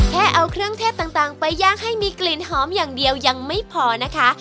แค่เอาเครื่องเทศต่างไปย่างให้มีกลิ่นหอมอย่างเดียวยังไม่พอนะคะ